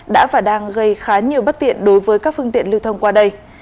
đã và đang gây khá nhiều bất tiện đối với các phương tiện lưu thông qua đây